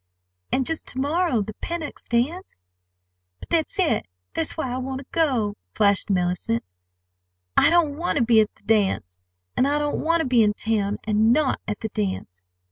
And just to morrow the Pennocks' dance?" "But that's it—that's why I want to go," flashed Mellicent. "I don't want to be at the dance—and I don't want to be in town, and not at the dance."